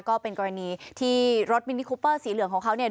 ก็เป็นกรณีที่รถมินิคูเปอร์สีเหลืองของเขาเนี่ย